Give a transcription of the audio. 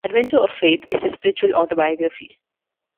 "Adventure of Faith" is his spiritual autobiography.